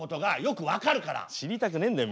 知りたくねえんだよ